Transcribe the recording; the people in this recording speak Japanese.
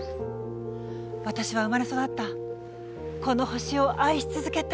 私は生まれ育ったこの地球を愛し続けたい。